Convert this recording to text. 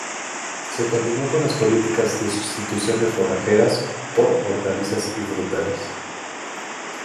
Se continuó con las políticas de sustitución de forrajeras por hortalizas y frutales.